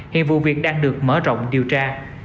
hiện vụ việc đang được mở rộng điều tra